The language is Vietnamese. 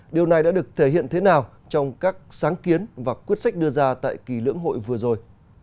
điều này đã được thể hiện thế nào trong các sáng kiến và quyết sách đưa ra tại kỳ lưỡng hội vừa rồi